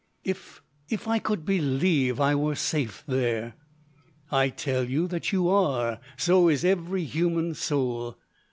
"If—if I could believe I were safe there." "I tell you that you are. So is every human soul!